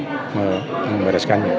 kita agak susah membereskannya